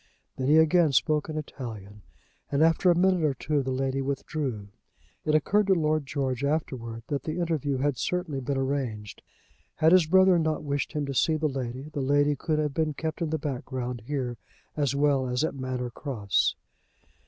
Then he again spoke in Italian, and after a minute or two the lady withdrew. It occurred to Lord George afterwards that the interview had certainly been arranged. Had his brother not wished him to see the lady, the lady could have been kept in the background here as well as at Manor Cross.